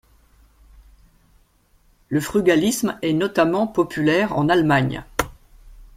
Le frugalisme est notamment populaire en Allemagne.